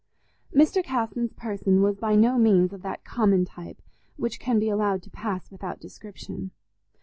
Mr. Casson's person was by no means of that common type which can be allowed to pass without description.